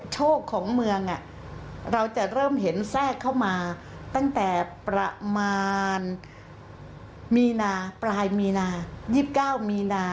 โชคของเมืองเราจะเริ่มเห็นแทรกเข้ามาตั้งแต่ประมาณมีนาปลายมีนา๒๙มีนา